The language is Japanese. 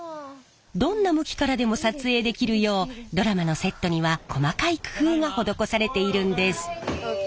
どんな向きからでも撮影できるようドラマのセットには細かい工夫が施されているんです。